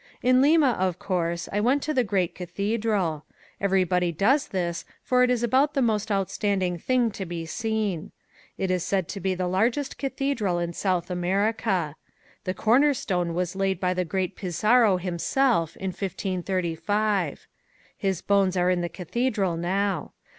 In Lima, of course, I went to the great cathedral. Everybody does this for it is about the most outstanding thing to be seen. It is said to be the largest cathedral in South America. The corner stone was laid by the great Pizarro himself in 1535. His bones are in the cathedral now.